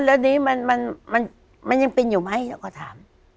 แล้วนี้มันยังเป็นอยู่ไหมเราก็ถาม